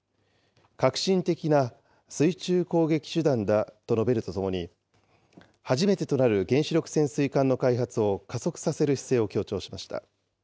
核心的な水中攻撃手段だと述べるとともに、初めてとなる原子力潜水艦の開発を加速させる姿勢を強調しました。